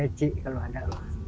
sama peci kalau ada